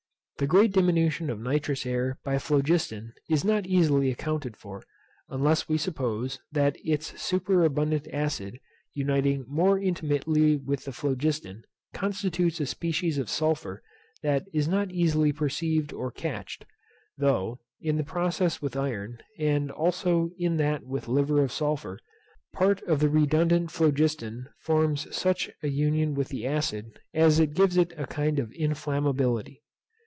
The great diminution of nitrous air by phlogiston is not easily accounted for, unless we suppose that its superabundant acid, uniting more intimately with the phlogiston, constitutes a species of sulphur that is not easily perceived or catched; though, in the process with iron, and also in that with liver of sulphur, part of the redundant phlogiston forms such an union with the acid as gives it a kind of inflammability.